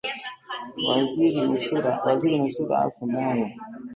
Waziri nusura afe moyo